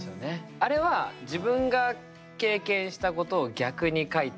あれは自分が経験したことを逆に書いた。